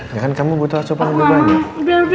ya kan kamu butuh asupan lebih banyak